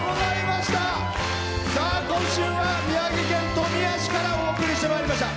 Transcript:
今週は宮城県富谷市からお送りしてまいりました。